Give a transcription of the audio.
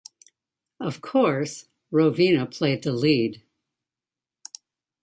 Of course, Rovina played the lead.